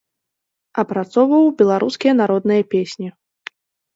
Апрацоўваў беларускія народныя песні.